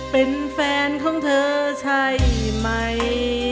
เป็นแฟนของเธอใช่ไหม